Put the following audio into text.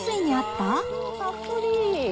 たっぷり！